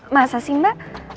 masa sih mbak